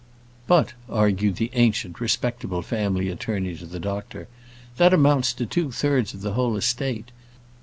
"But," argued the ancient, respectable family attorney to the doctor, "that amounts to two thirds of the whole estate.